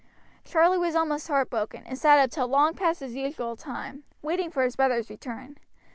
Charlie was almost heartbroken, and sat up till long past his usual time, waiting for his brother's return.